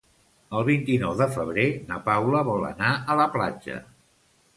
El vint-i-nou de febrer na Paula vol anar a la platja.